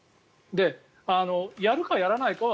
やるかやらないかは